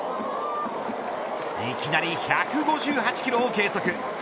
いきなり１５８キロを計測。